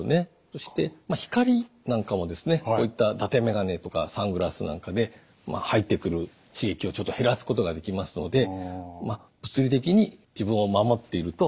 そして光なんかもですねこういっただてメガネとかサングラスなんかで入ってくる刺激をちょっと減らすことができますので物理的に自分を守っていると